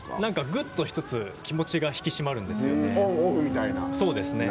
ぐっと、一つ気持ちが引き締まるんですよね。